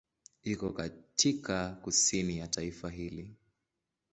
Iko katika kusini ya taifa hili.